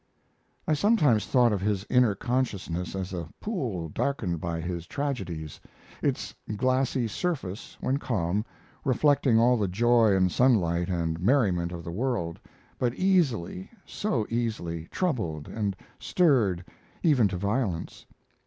I sometimes thought of his inner consciousness as a pool darkened by his tragedies, its glassy surface, when calm, reflecting all the joy and sunlight and merriment of the world, but easily so easily troubled and stirred even to violence.